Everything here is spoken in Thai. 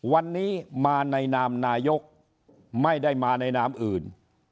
วันนี้มาในนามนายกไม่ได้มาในนามอื่น